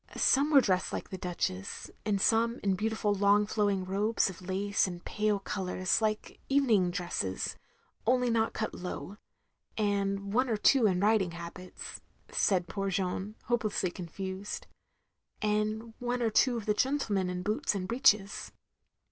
'* "Some were dressed like the Duchess; and some in beautiful long flowing robes of lace and pale colours like evening dresses only not cut low; and one or two in riding habits"; said poor Jeanne, hopelessly confused. "And one or two of the gentlemen in boots and breeches.